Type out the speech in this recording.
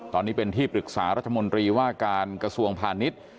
ตอนนี้เป็นที่ปรึกษารัฐมนตรีว่าการกระทรวงพาณิชย์